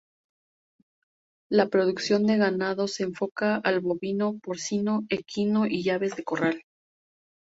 La producción de ganado, se enfoca al bovino, porcino, equino y aves de corral.